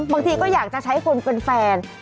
บางทีก็อยากจะใช้คนเป็นแฟน